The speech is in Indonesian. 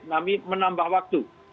namun menambah waktu